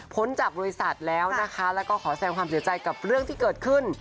จากบริษัทแล้วนะคะแล้วก็ขอแสงความเสียใจกับเรื่องที่เกิดขึ้น